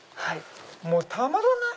もうたまらない！